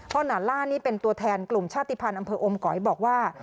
หนาล่านี่เป็นตัวแทนกลุ่มชาติภัณฑ์อำเภออมก๋อยบอกว่า